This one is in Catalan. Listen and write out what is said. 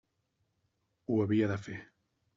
Ho havia de fer.